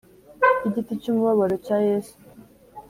Y igiti cy umubabaro cya yesu